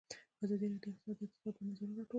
ازادي راډیو د اقتصاد د ارتقا لپاره نظرونه راټول کړي.